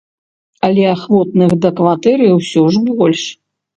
Але ахвотных да кватэры ўсё ж больш.